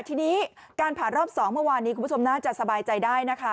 ทีนี้การผ่านรอบ๒เมื่อวานนี้คุณผู้ชมน่าจะสบายใจได้นะคะ